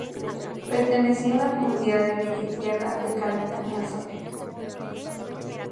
Pertenecía a la Comunidad de villa y tierra de Calatañazor.